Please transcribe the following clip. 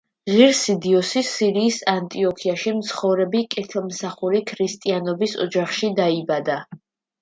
ღირსი დიოსი სირიის ანტიოქიაში მცხოვრები კეთილმსახური ქრისტიანების ოჯახში დაიბადა.